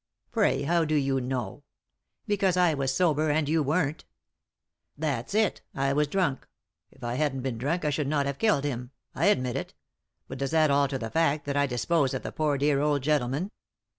" Pray, how do you know ?"" Because I was sober, and you weren't" " That's ft — I was drunk ; if I hadn't been drunk I should not have killed him. I admit it. But does that alter the fact that I disposed of the poor dear old gentleman